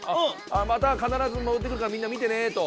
また必ず戻ってくるからみんな見てねと。